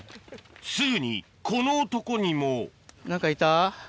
すぐにこの男にも何かいた？